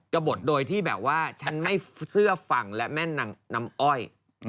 กระบดโดยที่แบบว่าฉันไม่เสื่อฟังและแม่นำอ้อย